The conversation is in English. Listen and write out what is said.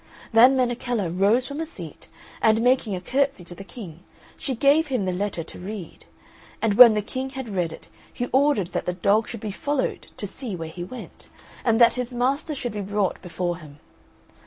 Then Menechella rose from her seat, and, making a curtsey to the King, she gave him the letter to read; and when the King had read it he ordered that the dog should be followed to see where he went, and that his master should be brought before him.